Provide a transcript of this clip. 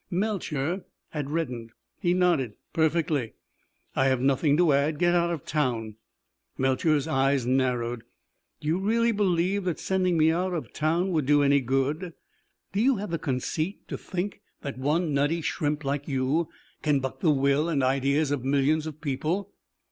Melcher had reddened. He nodded. "Perfectly." "I have nothing to add. Get out of town." Melcher's eyes narrowed. "Do you really believe that sending me out of town would do any good? Do you have the conceit to think that one nutty shrimp like you can buck the will and ideas of millions of people?"